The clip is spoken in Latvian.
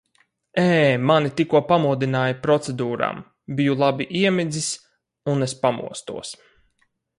Ē, mani tikko pamodināja procedūrām, biju labi iemidzis un es pamostos.